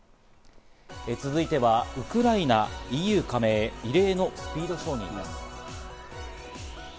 続いてはウクライナ、ＥＵ加盟へ異例のスピード承認です。